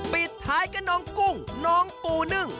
ปิดท้ายกับน้องกุ้งน้องปูนึ่ง